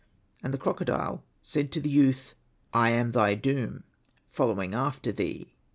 And the crocodile said to the youth, ^^ I am thy doom, following after thee.